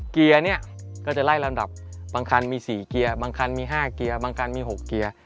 เกียร์เนี่ยก็จะไล่ลำดับบางคันมี๔เกียร์บางคันมี๕เกียร์บางคันมี๖เกียร์